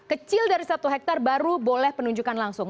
kecil dari satu hektare baru boleh penunjukan langsung